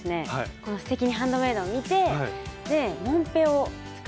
この「すてきにハンドメイド」を見てでもんぺを作りました。